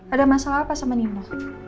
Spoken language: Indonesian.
ada masalah apa sama ninda